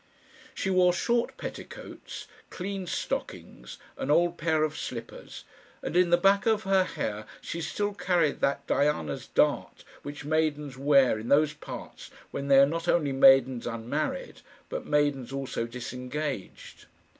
She wore short petticoats, clean stockings, an old pair of slippers; and in the back of her hair she still carried that Diana's dart which maidens wear in those parts when they are not only maidens unmarried, but maidens also disengaged.